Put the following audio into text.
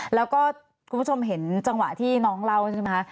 แล้วก็คุณผู้ชมเห็นจังหวะที่น้องเล่าใช่ไหมคะ